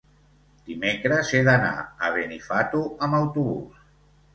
Dimecres he d'anar a Benifato amb autobús.